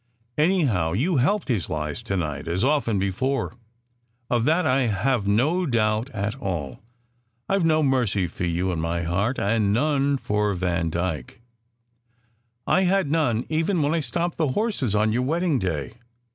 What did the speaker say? Anyhow, you helped his lies to night, as often before; of that I have no doubt at all. I ve no mercy for you in my 316 SECRET HISTORY heart, and none for Vandyke. I had none, even when I stopped the horses on your wedding day.